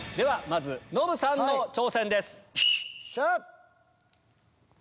ノブさんの挑戦です。